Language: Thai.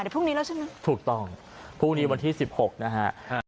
เดี๋ยวพรุ่งนี้แล้วใช่ไหมถูกต้องพรุ่งนี้วันที่สิบหกนะฮะ